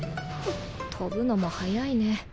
飛ぶのも速いね。